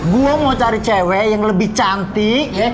gue mau cari cewek yang lebih cantik